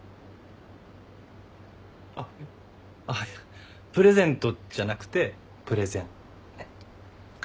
あっあっいやプレゼントじゃなくてプレゼン。